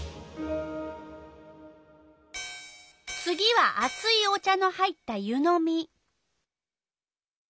次はあついお茶の入った湯のみ。